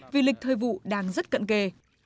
vì lịch thời vụ đang rất cận kề